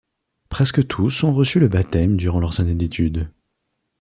Presque tous ont reçu le baptême durant leurs années d’études..